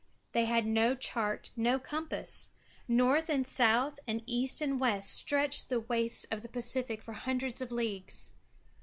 They had no chart nor compass; north and south and east and west stretched the wastes of the Pacific for hundreds of leagues.